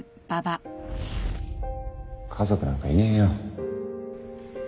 家族なんかいねえよ